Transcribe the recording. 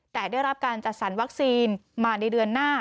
แต่ได้รับการจัดสรรวัคซีนมาในเดือนหน้า